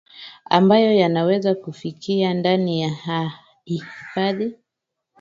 ambayo yanaweza kufikia ndani ya hifadhi